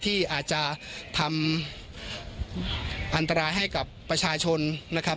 ที่อาจจะทำอันตรายให้กับประชาชนนะครับ